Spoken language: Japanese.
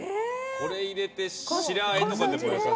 これ入れて白あえとかでもよさそう。